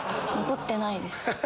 怒ってないです。